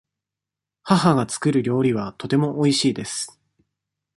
母が作る料理はとてもおいしいです。